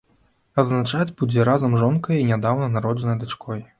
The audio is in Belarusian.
Адзначаць будзе разам з жонкай і нядаўна народжанай дачкой.